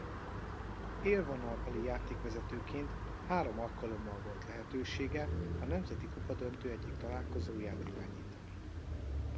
Élvonalbeli játékvezetőként három alkalommal volt lehetősége a nemzeti kupadöntő egyik találkozóját irányítani.